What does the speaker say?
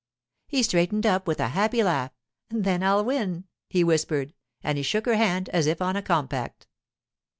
He straightened up, with a happy laugh. 'Then I'll win,' he whispered, and he shook her hand as if on a compact.